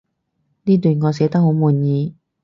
呢段我寫得好滿意